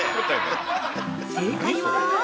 ◆正解は。